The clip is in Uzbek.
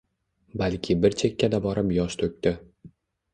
Balki bir chekkada borib yosh to’kdi.